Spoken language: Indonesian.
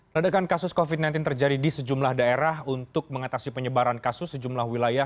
ledakan kasus covid sembilan belas terjadi di sejumlah daerah untuk mengatasi penyebaran kasus sejumlah wilayah